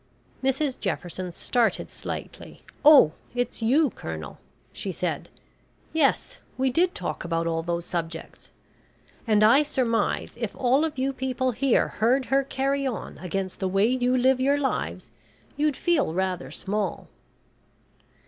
Mrs Jefferson started slightly. "Oh, it's you, Colonel," she said. "Yes, we did talk about all those subjects, and I surmise if all of you people here heard her carry on against the way you live your lives, you'd feel rather small."